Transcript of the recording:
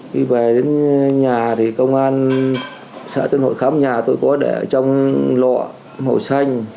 khi về đến nhà thì công an xã tuyên hội khám nhà tôi có để trong lọ màu xanh